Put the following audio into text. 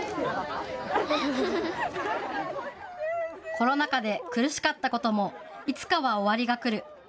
コロナ禍で苦しかったこともいつかは終わりがくる。